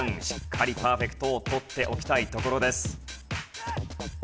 しっかりパーフェクトを取っておきたいところです。